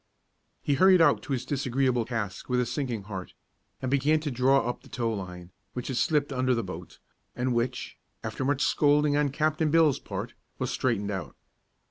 He hurried out to his disagreeable task with a sinking heart, and began to draw up the tow line, which had slipped under the boat, and which, after much scolding on Captain Bill's part, was straightened out.